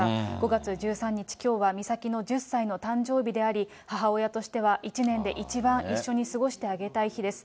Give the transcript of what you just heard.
５月１３日、きょうは美咲の１０歳の誕生日であり、母親としては１年で一番一緒に過ごしてあげたい日です。